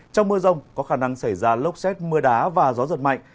trong mưa rông có khả năng xảy ra lốc xét mưa đá và gió giật mạnh